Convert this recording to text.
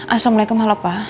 assalamualaikum halo pa